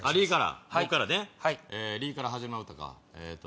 僕からね「り」から始まる歌か。